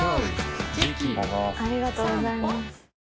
ありがとうございます。